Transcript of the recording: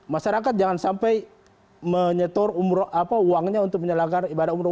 masyarakat jangan sampai menyetur uangnya untuk menyelenggaran ibadah umroh